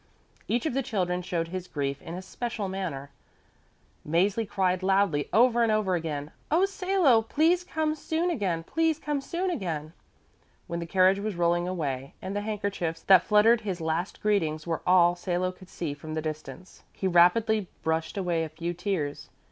Each of the children showed his grief in a special manner. Mäzli cried loudly over and over again, "Oh, Salo, please come soon again, please come soon again." When the carriage was rolling away and the handkerchiefs that fluttered him last greetings were all Salo could see from the distance, he rapidly brushed away a few tears.